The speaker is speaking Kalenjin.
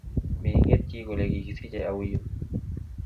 Menget chii kole kikisichei auyo